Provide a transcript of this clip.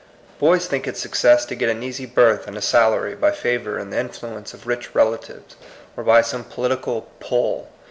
Boys think it success to get an easy berth and a salary by favor and the influence of rich relatives, or by some political ^^pull."